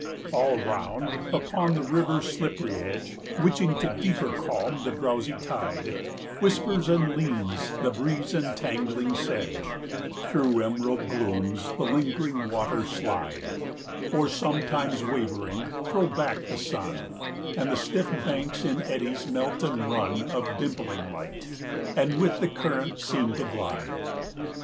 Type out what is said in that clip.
All round, upon the river's slippery edge, Witching to deeper calm the drowsy tide, Whispers and leans the breeze entangling sedge; 115 Through emerald glooms the lingering waters slide, Or, sometimes wavering, throw back the sun, And the stiff banks in eddies melt and run Of dimpling light, and with the current seem to glide.